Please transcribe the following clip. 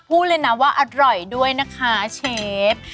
พูดเลยนะว่าอร่อยด้วยนะคะเชฟ